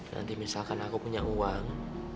nanti misalkan aku punya uang